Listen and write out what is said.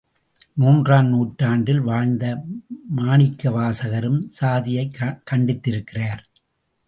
மூன்றாம் நூற்றாண்டில் வாழ்ந்த மாணிக்கவாசகரும் சாதியைக் கண்டித்திருக்கிறார்.